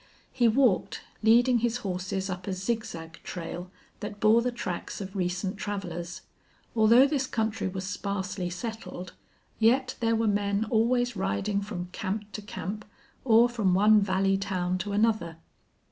He walked, leading his horses up a zigzag trail that bore the tracks of recent travelers. Although this country was sparsely settled, yet there were men always riding from camp to camp or from one valley town to another.